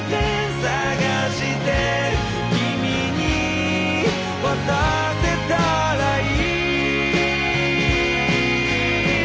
「君に渡せたらいい」